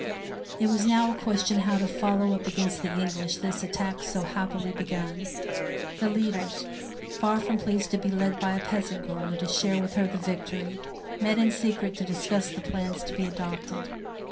It was now a question how to follow up against the English this attack so happily begun. The leaders, far from pleased to be led by a peasant girl and to share with her the victory, met in secret to discuss the plans to be adopted.